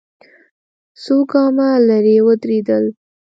څو ګامه ليرې ودرېدل.